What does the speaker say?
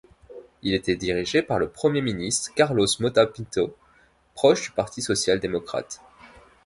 Il était dirigé par le Premier ministre Carlos Mota Pinto, proche du Parti social-démocrate.